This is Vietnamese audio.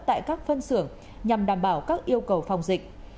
tại các phân xưởng nhằm đảm bảo các yêu cầu phòng dịch